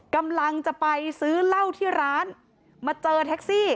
กำลังจะไปซื้อเหล้าที่ร้านมาเจอแท็กซี่